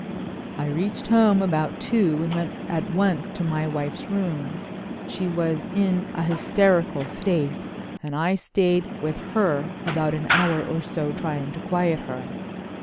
"I reached home about two and went at once to my wife's room. She was in a hysterical state and I stayed with her an hour or so trying to quiet her.